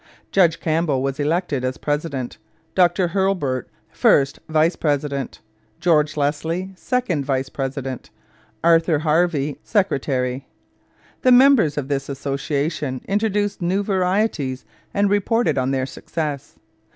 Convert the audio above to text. Judge Campbell was elected president; Dr Hurlbert, first vice president; George Leslie, second vice president; Arthur Harvey, secretary. The members of this association introduced new varieties and reported on their success.